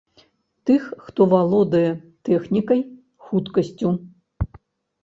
Тых, хто валодае тэхнікай, хуткасцю.